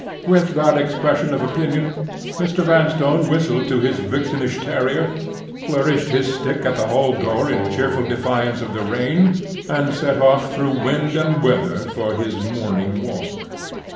With that expression of opinion, Mr. Vanstone whistled to his vixenish terrier; flourished his stick at the hall door in cheerful defiance of the rain; and set off through wind and weather for his morning walk.